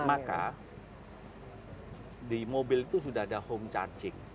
maka di mobil itu sudah ada home charging